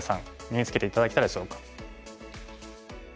身につけて頂けたでしょうか。